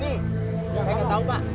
saya nggak tahu pak